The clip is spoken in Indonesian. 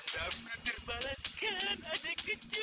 dapet balas entang